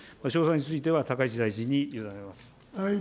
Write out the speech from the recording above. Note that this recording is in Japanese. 詳細については高市大臣に委ねます。